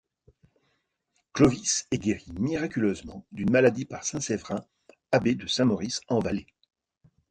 Clovis est guéri miraculeusement d'une maladie par saint Séverin, abbé de Saint-Maurice en Valais.